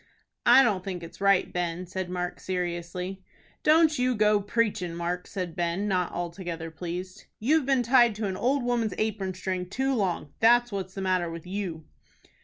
"I don't think it's right, Ben," said Mark, seriously. "Don't you go to preachin', Mark," said Ben, not altogether pleased. "You've been tied to an old woman's apron string too long, that's what's the matter with you."